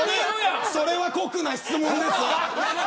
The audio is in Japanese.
それは酷な質問ですよ。